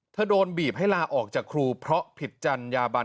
โดนบีบให้ลาออกจากครูเพราะผิดจัญญาบัน